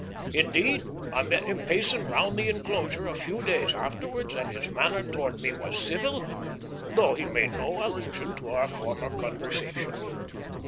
Indeed, I met him pacing round the inclosure a few days afterwards, and his manner towards me was civil, though he made no allusion to our former conversation.